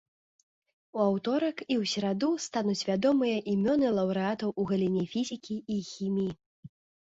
У аўторак і ў сераду стануць вядомыя імёны лаўрэатаў у галіне фізікі і хіміі.